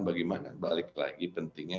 bagaimana balik lagi pentingnya